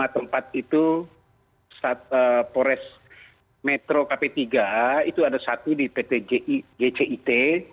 lima tempat itu pores metro kp tiga itu ada satu di pt gcit